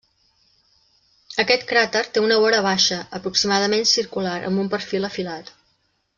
Aquest cràter té una vora baixa, aproximadament circular, amb un perfil afilat.